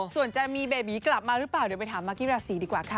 ส่วนจะมีเบบีกลับมาหรือเปล่าเดี๋ยวไปถามมากกี้ราศีดีกว่าค่ะ